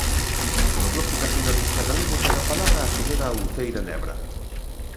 Polo Bloque Nacionalista Galego, ten a palabra a señora Uceira Nebra.